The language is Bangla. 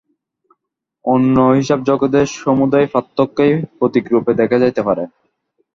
অন্য হিসাবে জগতের সমুদয় পদার্থকেই প্রতীকরূপে দেখা যাইতে পারে।